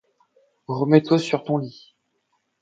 Remets-toi sur ton lit.